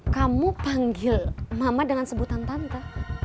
kamu panggil mama dengan sebutan tante